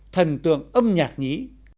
thần tượng âm nhạc nhí